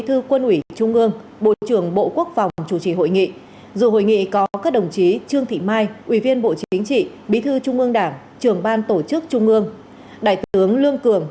trung ương đảng trường ban tổ chức trung ương đại tướng lương cường